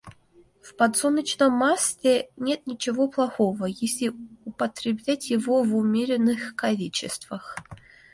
В подсолнечном масле нет ничего плохого, если употреблять его в умеренных количествах.